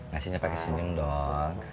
masihnya pakai sindung dong